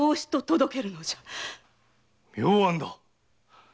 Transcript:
妙案だ！